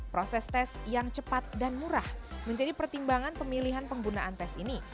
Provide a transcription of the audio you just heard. proses tes yang cepat dan murah menjadi pertimbangan pemilihan penggunaan tes ini